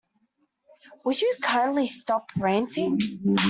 Will you kindly stop ranting?